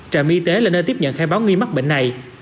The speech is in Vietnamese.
trạm y tế là nơi tiếp nhận khai báo nghi mắc bệnh này